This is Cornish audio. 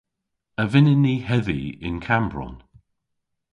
A vynnyn ni hedhi yn Kammbronn?